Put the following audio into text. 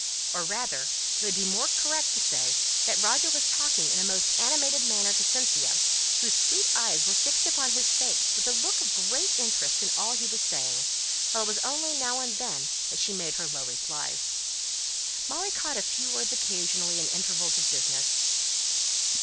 Or, rather, it would be more correct to say that Roger was talking in a most animated manner to Cynthia, whose sweet eyes were fixed upon his face with a look of great interest in all he was saying, while it was only now and then she made her low replies. Molly caught a few words occasionally in intervals of business.